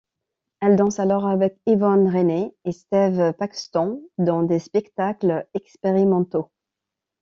Elle danse alors avec Yvonne Rainer et Steve Paxton dans des spectacles expérimentaux.